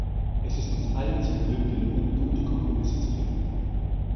Es ist uns allen zum Glück gelungen, gute Kompromisse zu finden.